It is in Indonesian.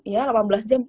ya delapan belas jam